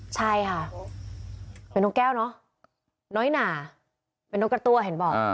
ใช่ค่ะเป็นนกแก้วเนอะน้อยหนาเป็นนกกระตั้วเห็นบอก